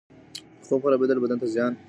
د خوب خرابول بدن ته زیان رسوي.